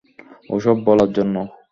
ওসব বলার জন্য।